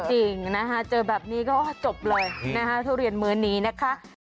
จริงนะคะเจอแบบนี้ก็จบเลยนะคะทุเรียนมื้อนี้นะคะ